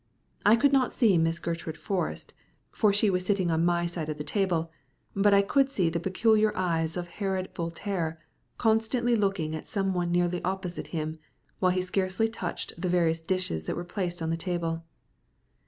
I could not see Miss Gertrude Forrest, for she was sitting on my side of the table, but I could see the peculiar eyes of Herod Voltaire constantly looking at some one nearly opposite him, while he scarcely touched the various dishes that were placed on the table.